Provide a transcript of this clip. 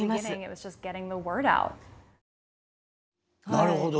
なるほど。